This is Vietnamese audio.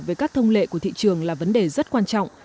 về các thông lệ của thị trường là vấn đề rất quan trọng